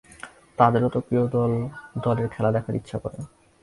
তাঁদেরও তো প্রিয় দলের খেলা দেখতে ইচ্ছে করে।